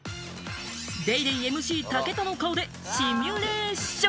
『ＤａｙＤａｙ．』ＭＣ・武田の顔でシミュレーション！